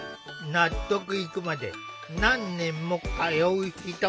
納得いくまで何年も通う人も。